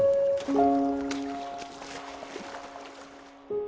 うん。